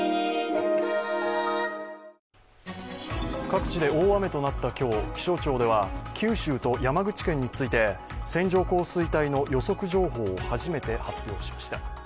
各地で大雨となった今日、気象庁では九州と山口県について線状降水帯の予測情報を初めて発表しました。